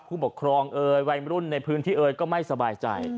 ผู้ปกครองเอ่ยวัยมรุ่นในพื้นที่เอ๋ยก็ไม่สบายใจ